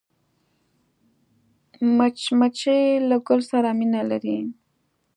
مچمچۍ له ګل سره مینه لري